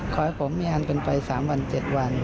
ขอให้ผมมีอันเป็นไป๓วัน๗วัน